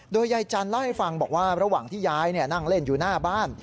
โดยยายจันทร์เล่าให้ฟังบอกว่าระหว่างที่ยายนั่งเล่นอยู่หน้าบ้าน